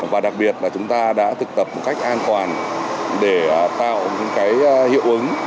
và đặc biệt là chúng ta đã thực tập một cách an toàn để tạo những hiệu ứng